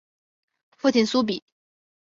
父亲苏玭。